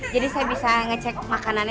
jadi saya bisa ngecek makanannya